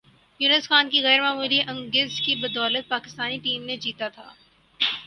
یونس خان کی غیر معمولی اننگز کی بدولت پاکستانی ٹیم نے جیتا تھا